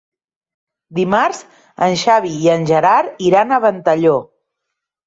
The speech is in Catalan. Dimarts en Xavi i en Gerard iran a Ventalló.